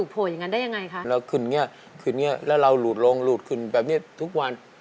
เป็นอย่างนั้นไม่ต้องใช้เลยนะ